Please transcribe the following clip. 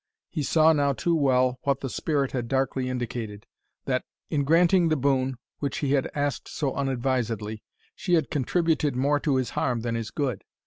He saw now too well what the spirit had darkly indicated, that, in granting the boon which he had asked so unadvisedly, she had contributed more to his harm than his good.